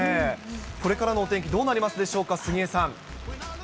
これからのお天気どうなりますでしょうか、杉江さん。